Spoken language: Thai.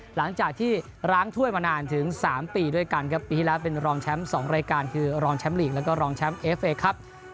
หลังจากที่ล้างถ้วยมานานถึง๓ปีด้วยกันครับปีที่แล้วเป็นรองแชมป์๒รายการคือรองแชมป์ลีกแล้วก็รองแชมป์เอฟเอครับ